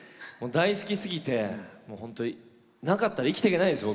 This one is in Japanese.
大好きすぎてもう本当になかったら生きていけないです